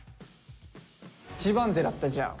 １番手だったじゃん。